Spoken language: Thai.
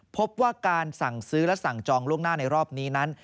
พบว่าการสั่งซื้อและสั่งจองล่วงหน้าในรอบนี้นั้น